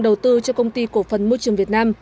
đầu tư cho công ty cổ phần môi trường việt nam